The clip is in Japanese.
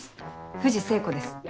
藤聖子です。